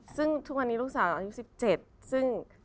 ซึ่งทุกวันนี้ลูกสาวอายุ๑๗ซึ่ง